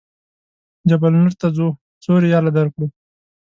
جبل نور ته ځو څو ریاله درکړو.